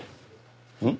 うん？